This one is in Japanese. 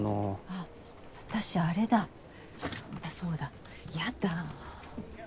あ私あれだそうだそうだやだ。